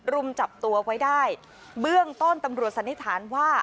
รุมจับตัวไว้ได้เบื้องต้นตำรวจสันนิษฐานว่า